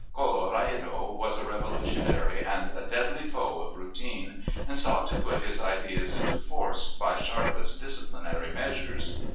Colloredo was a revolutionary and a deadly foe of routine and sought to put his ideas into force by sharpest disciplinary measures.